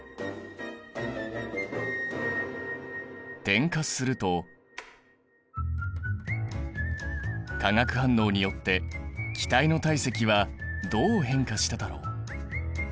点火すると化学反応によって気体の体積はどう変化しただろう？